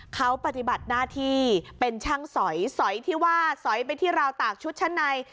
เขาปฏิบัติหน้าที่เป็นช่างสอยสอยที่ว่าสอยไปที่ราวตากชุดชั้นใน